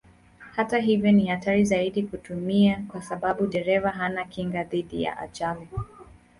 Hata hivyo ni hatari zaidi kuitumia kwa sababu dereva hana kinga dhidi ya ajali.